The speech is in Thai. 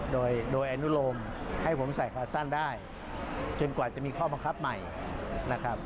โดยอนุโลมให้ผมใส่ขาสั้นได้จนกว่าจะมีข้อบังคับใหม่นะครับ